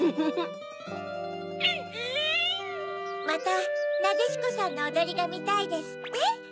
「またなでしこさんのおどりがみたい」ですって？